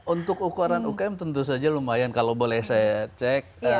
untuk ukuran ukm tentu saja lumayan kalau boleh saya cek